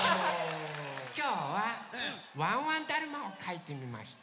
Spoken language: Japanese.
きょうはワンワンだるまをかいてみました。